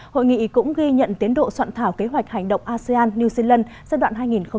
hội nghị cũng ghi nhận tiến độ soạn thảo kế hoạch hành động asean new zealand giai đoạn hai nghìn hai mươi hai nghìn hai mươi năm